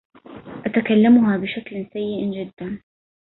اتكلمها بشكل سيئ جداً.